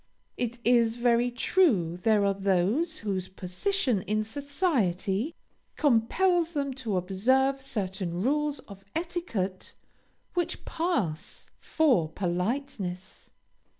It is very true there are those whose position in society compels them to observe certain rules of etiquette which pass for politeness.